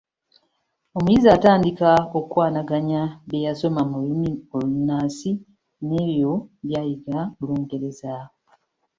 Omuyizi atandika okukwanaganya bye yasoma mu lulimi olunnansi n’ebyo byayiga mu lungereza.